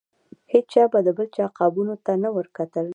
هیچا به د بل چا قابونو ته نه ورکتل.